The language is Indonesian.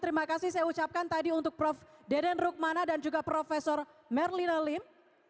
terima kasih saya ucapkan tadi untuk prof deden rukmana dan juga prof merlina lim